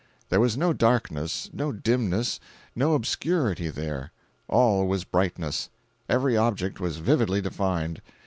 There was no darkness, no dimness, no obscurity there. All was brightness, every object was vividly defined.